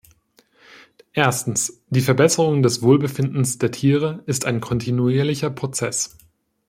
Erstens, die Verbesserung des Wohlbefindens der Tiere ist ein kontinuierlicher Prozess.